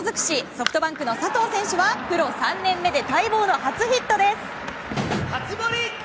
ソフトバンクの佐藤選手はプロ３年目で待望の初ヒットです。